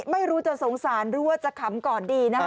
ไม่รู้จะสงสารหรือว่าจะขำก่อนดีนะคะ